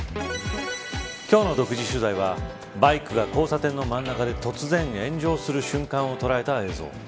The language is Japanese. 今日の独自取材はバイクが交差点の真ん中で突然炎上する瞬間を捉えた映像。